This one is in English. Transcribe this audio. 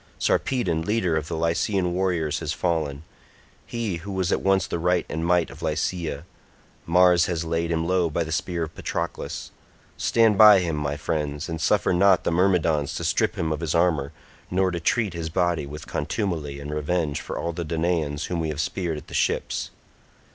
Sarpedon leader of the Lycian warriors has fallen—he who was at once the right and might of Lycia; Mars has laid him low by the spear of Patroclus. Stand by him, my friends, and suffer not the Myrmidons to strip him of his armour, nor to treat his body with contumely in revenge for all the Danaans whom we have speared at the ships."